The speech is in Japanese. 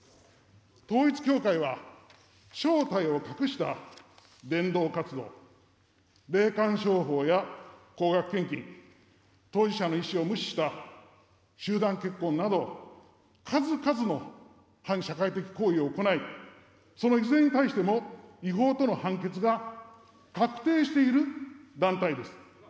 統一教会は、正体を隠した伝道活動、霊感商法や高額献金、当事者の意思を無視した集団結婚など、数々の反社会的行為を行い、そのいずれに対しても違法との判決が確定している団体です。